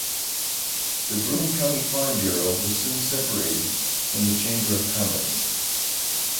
The Broome County Farm Bureau was soon separated from the Chamber of Commerce.